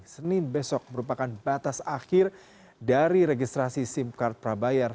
senin besok merupakan batas akhir dari registrasi sim card prabayar